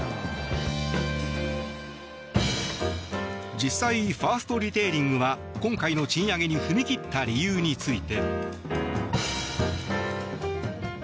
実際ファーストリテイリングは今回の賃上げに踏み切った理由について。